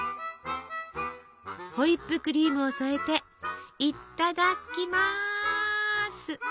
ホイップクリームを添えていただきます！